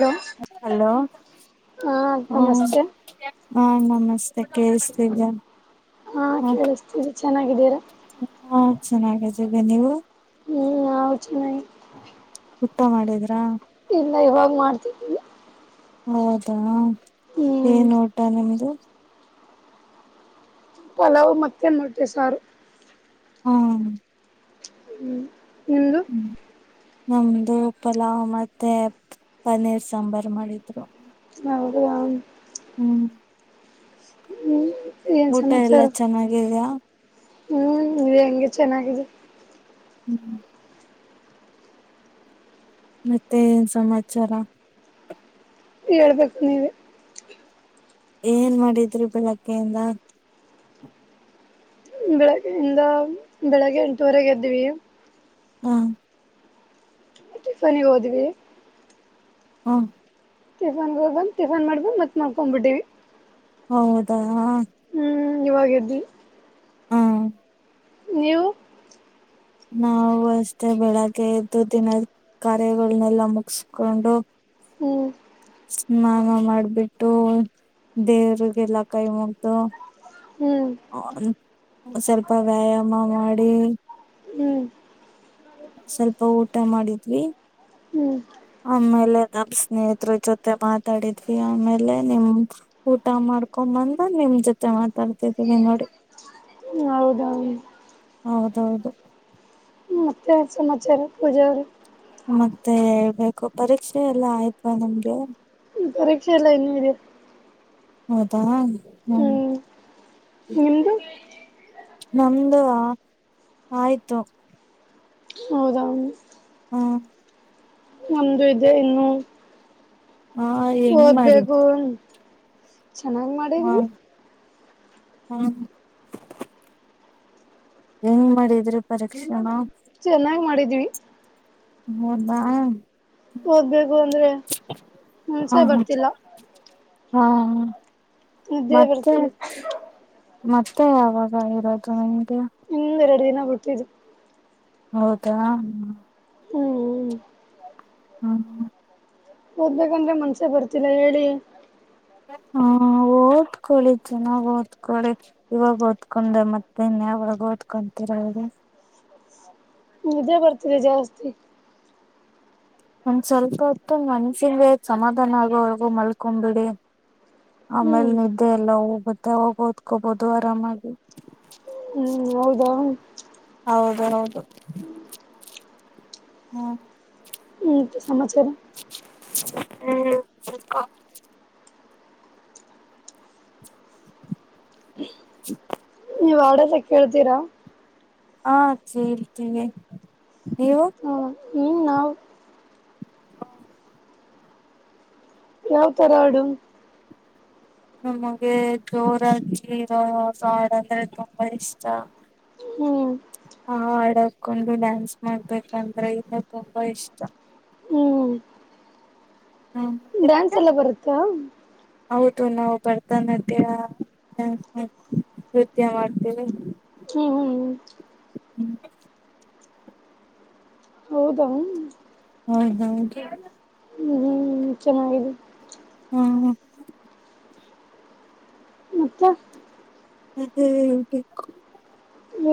Hello hello ಹಾ ಹ್ಮ ನಮಸ್ತೆ ಹಾ ನಮಸ್ತೆ ಕೇೇಳಸ್ತಿದ ಹಾ ಕೇಳಸ್ತೀರಿ ಚೆನ್ನಾಗಿದ್ದೀರ ಚೆನ್ನಾಗಿದ್ದೀಿ ನೀವು ಹ್ಮ ನ ಹ ಚ ನ ತುಪ್ಪ ಮಾಡಿದ್ರಾ ಇಲ್ಲ ಇವಾಗ ಮಾಡ್ತಿದ್ದಿಲ್ಲ ಹೌದಾ ಏನ್ ೋಟಾ ನಿಮ್ದು ಪಲಾಾವ್ ಮತ್ತೆ ಮಾಡತ ಸಾರು ಹ್ಮ ಹ್ಮ್ ನಿಂದು ನಮ್ದು ಪಲಾವ್ ಮತ್ತೆ ಪನ್ನೀರ್ ಸಾಂಬಾರ್ು ಮಾಡಿದ್ರು [inaudible] ಹ್ಮ್. ಹ್ಮ್. ಏನ್ ಊಟ ಸಮಾಚಾರ ಎಲ್ಲ ಚೆನ್ನಾಗಿದ್ದೀಯಾ. ಹ್ಮ್ ಇ ಹೆಂಗೆ ಚೆನ್ನಾಗಿದೆ. ಹ್ಮ್. ಮತ್ತೆ ಏನ್ ಸಮಾಚಾರ. ಹೇಳ್ಬೇಕು ನೀವೆ. ಏನ್ ಮಾಡಿದ್ರಿ ಬೆಳಗ್ಗೆಯಿಂದ. ಬೆಳಗ್ಗೆ ಇಂದ ಬೆಳಗ್ಗೆ ಎಂಟುವರೆಗೆದ್ದ್ವಿ. ಹ್ಮ. ಟಿಫನಿಗೆ ಹೋದ್ವಿ. ಹ್ಮ. ಟಿಫನ್ ಗೆ ಹೋಗಿ ಬಂದ್ ಟಿಫಾನ್ ಮಾಡ್ಬಂದ್ ಮತ್ ಮಲ್ಕೊಂಡ್ಬಿಟ್ವಿ. ಹೌದಾ ಹ. ಹ್ಮ್ ಇವಾಗ್ ಎದ್ದಿವಿ. ಹ್ಮ. ನೀವು. ನಾವವು ಅಷ್ಟೇ ಬೆಳಗ್ಗೆ ಎದ್ದು ದಿನದ ಕಾರ್ಯಗಳನ್ನೆಲ್ಲ ಮುಗಸ್ಕೊಂಡು. ಹ್ಮ್. ಸ್ನಾನ ಮಾಡ್ಬಿಟ್ಟು ದೇವರಿಗೆಲ್ಲ ಕೈಮುಗಿದು. ಹ್ಮ್ [inaudible] ಸ್ವಲ್ಪ ವ್ಯಾಯಾಮ ಮಾಡಿ. ಹ್ಮ್. ಸ್ವಲ್ಪ ಊಟ ಮಾಡಿದ್ವಿ ಹ್ಮ್ ಆಮೇಲೆ ನಮ್ ಸ್ನೇಹಿತರ ಜೊತೆ ಮಾತಾಡಿದ್ವಿ ಆಮೇಲೆ ನಿಮ್ ಊಟ ಮಾಡ್ಕೊಂಡ್ ಬಂದು ನಿಮ್ ಜೊತೆ ಮಾತಾಡ್ತಿದೀನೀ ನೋಡಿ. ಹೌದ. ಹೌದೌದು. ಮತ್ತೆ ಏನ್ಸಮಾಚಾರ ಪೂಜಾ ಅವರೇ. ಮತ್ತೆ ಹೇಳ್ಬೇಕು ಪರೀಕ್ಷೆ ಎಲ್ಲ ಆಯ್ತಾ ನಿಮ್ದು. ಪರೀಕ್ಷೆ ಎಲ್ಲ ಇನ್ನೂ ಇದೆ. ಹೌದಾ ಹ್ಮ ಹ್ಮ್ ನಿಮ್ದು ನಮ್ದು ಆ ಆಯ್ತು. ಹೌದಾ ಹ್ಮ. ನಮ್ದು ಇದೆ ಇನ್ನು. ಹ ಹೆಂಗ್ ಓದ್ಬೇಕು. ಮಾಡಿದ್ರಿ ಚೆನ್ನಾಗ್ ಮಾಡಿದ್ವಿ. ಹ್ಮ. ಹೆಂಗ ಮಾಡಿದ್ರಿ ಪರೀಕ್ಷೆನ. ಚೆನ್ನಾಗ್ ಮಾಡಿದ್ವಿ. ಹೌದಾ. ಓದ್ಬೇಕು ಅಂದ್ರೆ ಹಾ ಮನ್ಸೆ ಹಾ ಬರ್ತಿಲ್ಲ. ಹಾ ನಿದ್ದೆ ಮತ್ತೆ ಬರ್ತಿದೆ. ಮತ್ತೆ ಯಾವಾಗ ಇರೋದು. ಇನ್ನು ಎರಡು ದಿನ. ಹುಟ್ಟಿದ್ದು ಹೌದಾ ಹ್ಮ್್ಮ ಹ್ಮ ಓದ್ಬೇಕಂದ್ರೆ ಮನ್ಸೇ ಬರ್ತಿಲ್ಲ ಹೇಳಿ ಹ್ಮ ಓದ್ಕಳಿ ಚೆನ್ನಾಗ್ ಓದ್ಕಳಿ ಇವಾಗ ಓದ್ಕೊಂಡೆ ಮತ್ತೆಇನ್ ಯಾವಾಗ ಓದ್ಕೊಂತಿರ ಹೇಳಿ ನಿದ್ದೆಬರ್ತಿದೆ ಜಾಸ್ತಿ ಒಂದ್ ಸ್ವಲ್ಪ ಹೊತ್ತು ಮನ್ಸಿನ್ ಸಮಾಧಾನ ಆಗೋವರ್ಗೂ ಮಲ್ಕೊ್ಬಿಡಿ ಹ್ಮ್ ಆಮೇಲ್ ನಿದ್ದೆ ಎಲ್ಲ ಹೋಗುತ್ತೆ ಅವಾಗ ಓದ್ಕೋಬೋದುಆರಾಮಾಗಿ ಹೌದಾ ಹೌದು ಹ್ಮ್ ಸಮಾಚಾರ ಹ್ಮ ಕುತ್ಕೋ [inaudible] ನೀವು ಆಡ್ಲೇಬೇಕು ಸಿರಾ ಹಾ ಚೇಳ್ತೀವಿ ನೀವು ಹೌದು ಯಾವ್ ತರ ಆಡು ನಮಗೆ ಜೋರಾಗಿ ಇರೋ ಹಾಡ ಅಂದ್ರೆ ತುಂಬಾ ಇಷ್ಟ ಹ್ಮ್ ಆ ಹಾಡ ಹಾಕೊಂಡು ಡ್ಯಾನ್ಸ್ ಮಾಡ್ಬೇಕಂದ್ರೆ ಇನ್ನು ತುಂಬಾ ಇಷ್ಟ ಹ್ಮ್ ಹ ಡ್ಯಾನ್ಸ್ ನಿಮ್ಗೆ ಎಲ್ಲ ಬರತ್ತ ಹೌದು ನಾವು ಭರ್ತನಾಟ್ಯ ನೃತ್ಯ ಮಾಡ್ತೀವಿ ಹ್ಮ್ ಹ್ಮ್ ಹ್ಮ ಹೌದಾ ಹೌ ಹಾ ಹ್ಮ ಚೆನ್ನಾಗಿದೆ ಹ್ಮ್ ಮತ್ತೆ ಹದ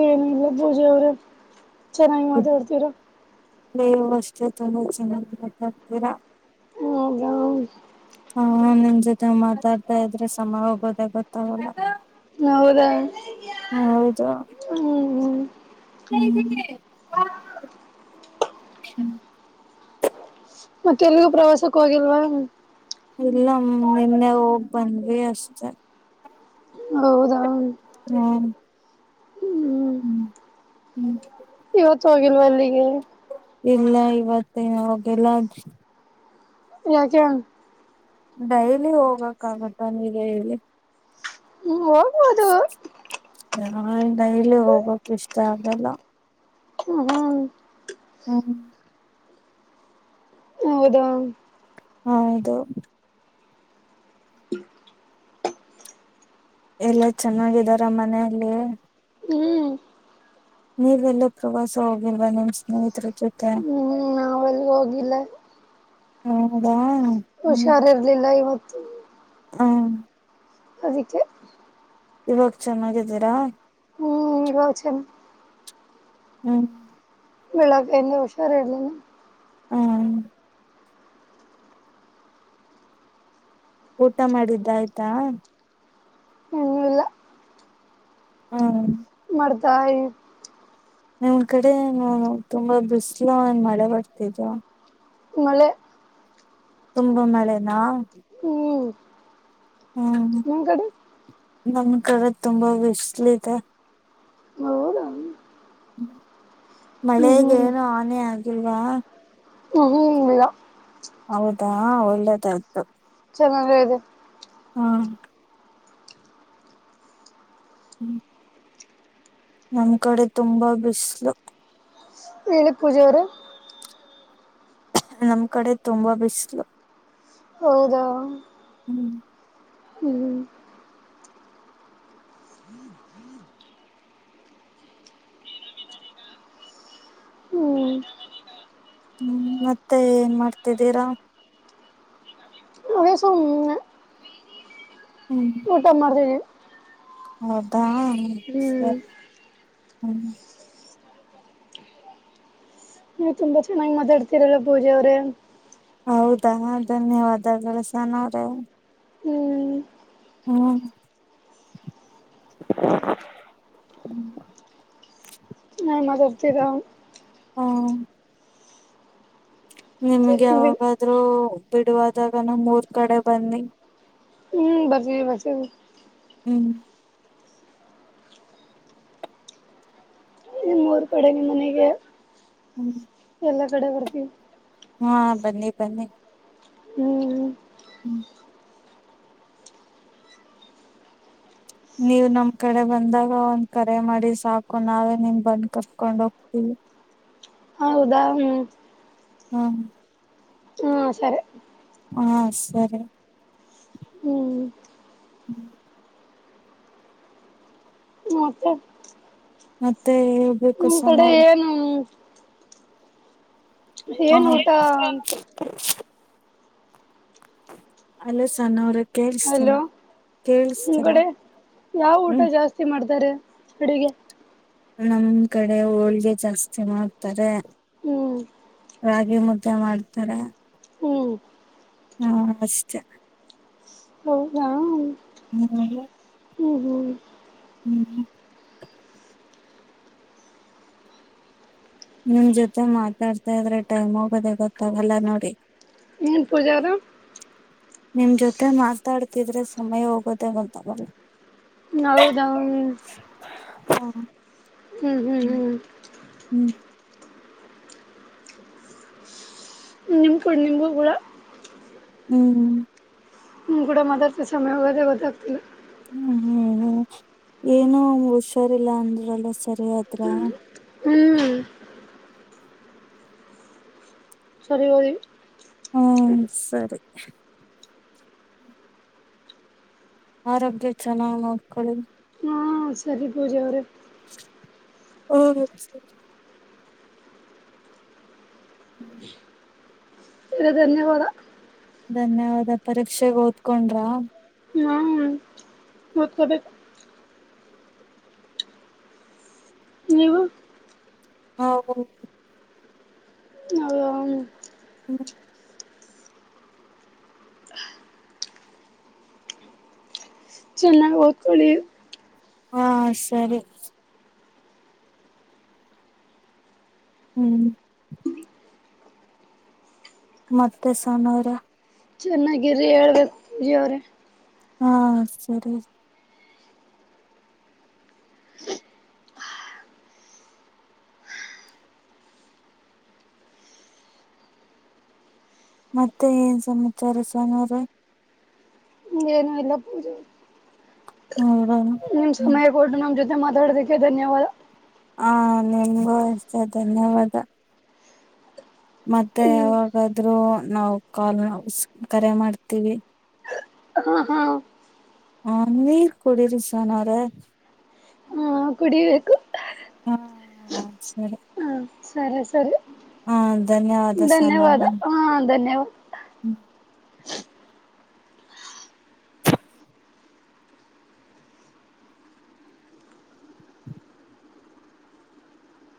ಏನಿಲ್ಲ ಪೂಜೆ ಅವ್ರೆ ಚೆನ್ನಾಗಿ ಮಾತಾಡ್ತೀರಾ ನೀವು ಅಷ್ಟೆ ತುಂಬಾ ಚೆನ್ನಾಗಿ ಮಾತಾಡ್ತೀರಾ ಹೌದಾ ಹಾ ನಿಮ್ ಜೊತೆ ಮಾತಾಡ್ತಾ ಇದ್ರೆ ಸಮ ಹೋಗೋದ ಗೊತ್ತಾಗಲ್ಲ ಹೌದಾ ಹ್ಮ ಹ್ಮ್ ಹ್ಮ್ ಮತ್ತೆಲ್ಲಿಗೂ ಪ್ರವಾಸಕ್ಕೂ ಹೋಗಿಲ್ವಾ ಇಲ್ಲ ನಿನ್ನೆ ಹೋಗ್ ಬಂದ್ವಿ ಅಷ್ಟೆ ಹೌದಾ ಹ್ಮ ಹ್ಮ್ ಹ್ಮ್ ಇವತ್ತು ಹೋಗಿಲ್ವಾ ಅಲ್ಲಿಗೆ ಇಲ್ಲ ಇವತ್ತ ಅವಾಗೆಲ್ಲೆ ಯಕ ಡೈಲಿ ಹೋಗಕ್ಾಗತ್ತ ನೀಗ ಹೇಳಿ ಹ್ಮ ಹೋಗ್ಬಹದು ನಾ ನೈಲಿ ಹೋಗ್ಕ್ ಇಷ್ಟ ಆಗಲ್ಲ ಹ್ಮ್ ಹ್ಮ ಹೌದಾ. ಹೌದು. ಎಲ್ಲಾ ಚೆನ್ನಾಗಿದಾರ ಮನೆಯಲ್ಲಿ. ಹ್ಮ್ ನೀವೆಲ್ಲು ಪ್ರವಾಸ ಹೋಗಿಲ್ವಾ ನಿಮ್ ಸ್ನೇಹತ್ರ ಜೊತೆ. ಹ್ಮ್ ನಾವೆಲ್ಲಿ ಹೋಗಿಲ್ಲ ಹೌದಾ. ಹ್ಮ್ ಹುಷಾರ್ ಇರ್ಲಿಲ್ಲ ಇವತ್ತ್ ಹ್ಮ್. ಹ. ಅದಿಕ್ಕೆ. ಇವಾಗ್ ಚೆನ್ನಾಗಿದ್ದೀರಾ. ನೀಗೌ ಚನಾಗ್ ಹ್ಮ್. ಬೆಳಗ್ಗೆಯಿಂದ ಹುಷಾರ್ ಇರ್ಲಿಲ್ಲ. ಹ್ಮ್. ಊಟ ಮಾಡಿದ್ದ್ ಆಯ್ತಾ. ಇನ್ನೂ ಇಲ್ಲ ಹಾ. ಮರ್ಡ್ತಾ ಇದೀನ್ ನಿಮ್ ಕಡೆ ಏನು ತುಂಬಾ ಬಿಸ್ಲು ಏನ್ ಮಳೆ ಬರ್ತಿದ್ದೀಯಾ. ಮಳೆ. ತುಂಬ ಮಳೆನಾ. ಹ್ಮ್ ಹ್ಮ್. ನಿಮ್ ಕಡೆ. ನಮ್ ಕಡೆ ತುಂಬಾ ಬಿಸ್ಲಿದೆ. ಹೌದಾ ಹ್ಮ್ ಮಳೆಗೆ ಹ್ಮ್ ಏನು ಹ್ಮ್ ಹಾನಿ ಆಗಿಲ್ವಾ. ಹ್ಮ್ ಇಲ್ಲ ಹೌದಾ ಒಳ್ಳೆದಾಯ್ತು. ಚೆನ್ನಾಗೇ ಇದೆ. ಹ್ಮ್. ನಮ್ ಕಡೆ ತುಂಬಾ ಬಿಸ್ಲು. ಹೇಳಿ ಪೂಜಾ ಅವ್ರೆ. ನಮ್ ಕಡೆ ತುಂಬಾ ಬಿಸ್ಲು. ಹೌದಾ. ಹ್ಮ್. ಹ್ಮ್. ಹ್ಮ್ ಹ್ಮ್ ಮತ್ತೆ ಏನ್ ಮಾಡ್ತಿದ್ದೀರಾ. ಅದೇ ಸುಮ್ನೆ ಹ್ಮ್. ಊಟ ಮಾಡ್ತಿದ್ದೀವಿ. ಹ್ಮ್. ಹಾ ಸರಿ. ಹ್ಮ್. ನೀವ್ ತುಂಬಾ ಚೆನ್ನಾಗ್ ಮಾತಾಡ್ತಿರಲ್ಲ ಪೂಜಾ ಅವ್ರೆ. ಹೌದಾ ಧನ್ಯವಾದಗಳು ಸಹನ ಅವ್ರೆ. ಹ್ಮ್ ಹ್ಮ್. [unintelligible] ಹ್ಮ್. ನ್ನಾಗ್ ಮಾತಾಡ್ತೀರಾ. ಹ್ಮ್ [unintelligible] ನಿಮ್ಗೆ ಚೆನ್ನಾಗಿ ಯಾವಾಗಾದ್ರೂ ಬಿಡುವಾದಾಗ ನಮ್ ಊರ್ ಕಡೆ ಬನ್ನಿ. ಹ್ಮ್ ಬರ್ತೀವಿ ಬರ್ತೀವಿ ಹ್ಮ್ ಮೂರು ಕಡೆ ನಿ ಮನೆಗೆ ಹ್ಮ್ ಎಲ್ಲ ಕಡೆ ಬರ್ತಿವ್ ಹಾ ಬನ್ನಿ ಬನ್ನಿ ಹ್ಮ್ ಹ್ಮ್ ನೀವ್ ನಮ್ ಕಡೆ ಬಂದಾಗ ಒಂದ್ ಕರೆ ಮಾಡಿ ಸಾಕು ನಾವೇ ನಿಮ್ ಬಂದ್ ಕರ್ಕೊಂಡ್ ಹೋಗ್ತೀವಿ ಹೌದಾ ಹ್ಮ್ ಹ್ಮ ಹ ಹ್ಮ ಸರಿ ಹಾ ಸರಿ ಹ್ಮ್ ಹ್ಮ್ ಮತ್ತೆ ಮತ್ತೆ ಹೇಳ್ಬೇಕ್ ನಿಮ್ಮ್ ಕಡೆ ಏನು ಹಾ ಏನ್ ಗೊತ್ತಾ ಅಲ್ಲ ಸಣ ಅವ್ರ ಅಲೋ ನಿಮ್ ಕಡೆ ಯಾವ ಊಟ ಹ್ಮ್ ಜಾಸ್ತಿ ಮಾಡ್ತಾರೆ ಅಡುಗೆ ನಮ್ ಕಡೆ ಹೋಳ್ಗೆ ಜಾಸ್ತಿ ಮಾಡ್ತಾರೆ ಹ್ಮ್ ರಾಗಿ ಮುದ್ದೆ ಮಾಡ್ತಾರ ಹ್ಮ್ ಹಾ ಅಷ್ಟೇ ಹೌದಾ ಹ್ಮ್ ಹ್ಮ್ ಹ್ಮ್ ಹ್ಮ್ ನಿಮ್ ಜೊತೆ ಮಾತಾಡ್ತಾ ಇದ್ರೆ ಟೈಮ್ ಹೋಗೋದ ಗೊತ್ತಾಗಲ್ಲ ನೋಡಿ ಏನ್ ಪೂಜಾರಾ ನಿಮ್ ಜೊತೆ ಮಾತಾಡ್ತಿದ್ರೆ ಸಮಯ ಹೋಗೋುದೇ ಗೊತ್ತಾವಲ್ಲ ಹೌದ ಹಾ ಹ್ಮ್ ಹ್ಮ್ ಹ್ಮ್ ಹ್ಮ್ ನಿಮಕು ನಿಂಬು ಗೂರ ಹ್ಮ್ ಹ ಕೂಡ ಮಾತಾಡ್ತಿ ಸಮಯ ಹೋಗೋದೇ ಗೊತ್ತಾಗ್ತಿಲ್ಲ ಹ್ಮ್ ಹ್ಮ್ ಏನ ಹುಷಾರಿಲ್ಲಾ ಅಂದ್ರಲ್ಲ ಸರಿಯಾದ್ರ ಹ್ಮ್ ಸರಿ ಬಿ ಹ್ಮ ಸರಿ ಆರೋಗ್ಯ ಚೆನ್ನಾಗ್ ನೋಡ್ಕೊಳ್ಳಿ ಹಾಂ ಸರಿ ಪೂಜೆಯ ಅವ್ರ ಹ ಹ್ಮ್ ಇ ಧನ್ಯವಾದ ಧನ್ಯವಾದ ಪರೀಕ್ಷೆೆಗೆ ಓದ್ಕೊಂಡ್ರ ಮತ್ತದ ನೀವು ಹ ಹ ಹ್ಮ್ ಚೆನ್ನಾಗಿ ಓದ್ಕೊಳ್ಳಿ ಹಾ ಸರಿ ಹ್ಮ್ ಮತ್ತೆ ಸನರ ಚೆನ್ನಾಗಿರಿ ಹೇಳ್ಬೇಕವ್ರ ಹಾ ಸರಿ ಮತ್ತೆ ಏನ್ ಸಮಾಚಾರ ಸೋಮಾರ ಏನು ಇಲ್ಲ ಪೂಜೆ ಹ್ಮದನು ನಿಮ್ ಸಮಯ ಕೊಟ್ಟು ನಮ್ ಜೊತೆ ಮಾತಾಡತ ಧನ್ಯವಾದ ಹಾ ನಿಮಗೂತ ಧನ್ಯವಾದ ಮತ್ತೆ ಯಾವಾಗಾದ್ರೂ ನಾವು ಕಾಲ್ ನ ಕರೆ ಮಾಡ್ತೀವಿ ಹಾ ಹಾ ಹ ನೀರ್ ಕುಡರಿಾನಾರ ಹಾ ಕುಡಿಬೇಕು ಹಾ ಸರಿ ಹಾ ಸರಿ ಸರಿ ಹ ಧನ್ಯವಾದ ಧನ್ಯವಾದ ಸೋನವ್ರೆ ಹಾ ಧನ್ಯವಾದ ಹ್ಮ.